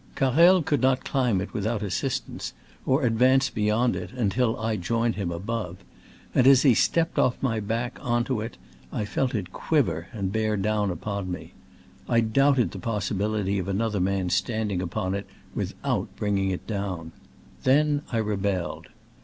Carrel could not climb it with out assistance, or advance beyond it until I joined him above; and as he stepped off my back on to it I felt it quiver and bear down upon me. I doubted the possibility of another man standing upon it without bringing it downi Then I rebelled.